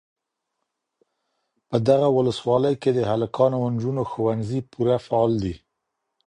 په دغه ولسوالۍ کي د هلکانو او نجونو ښوونځي پوره فعال دي.